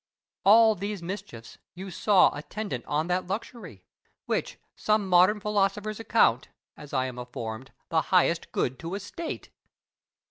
All these mischiefs you saw attendant on that luxury, which some modern philosophers account (as I am informed) the highest good to a state!